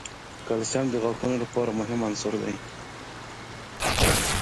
کلسیم د غاښونو لپاره مهم عنصر دی.